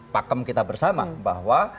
pakem kita bersama bahwa